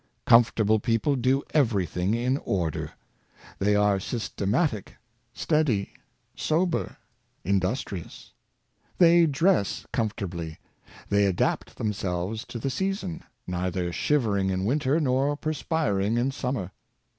Comfortable people do everything in order. They are systematic, steady, sober, industrious. They dress comfortably. They adapt themselves to the season — neither shivering in winter, nor perspiring in summer.